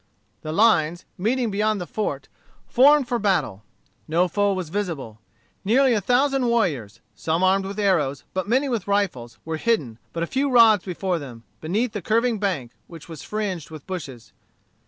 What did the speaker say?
The lines, meeting beyond the fort, formed for battle. No foe was visible. Nearly a thousand warriors, some armed with arrows, but many with rifles, were hidden, but a few rods before them, beneath the curving bank, which was fringed with bushes.